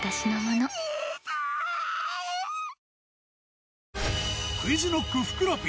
続くＱｕｉｚＫｎｏｃｋ・ふくらＰ